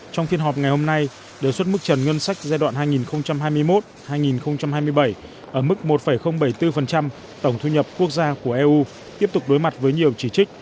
trong phiên họp ngày hôm nay đề xuất mức trần ngân sách giai đoạn hai nghìn hai mươi một hai nghìn hai mươi bảy ở mức một bảy mươi bốn tổng thu nhập quốc gia của eu tiếp tục đối mặt với nhiều chỉ trích